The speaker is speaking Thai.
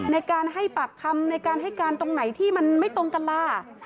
ในการให้ปากคำในการให้การตรงไหนที่มันไม่ตรงกันล่ะ